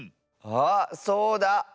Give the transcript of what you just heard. あっそうだ。